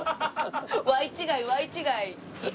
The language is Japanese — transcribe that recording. Ｙ違いＹ違い。